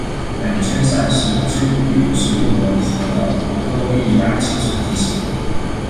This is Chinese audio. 两圈赛事均于直布罗陀的维多利亚球场进行。